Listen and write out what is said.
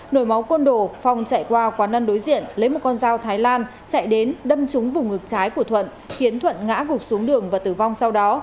nổi máu côn đồ phong chạy qua quán ăn đối diện lấy một con dao thái lan chạy đến đâm trúng vùng ngực trái của thuận khiến thuận ngã gục xuống đường và tử vong sau đó